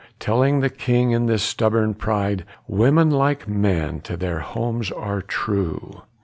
Telling the king in his stubborn pride Women like men to their homes are true.